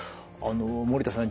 守田さん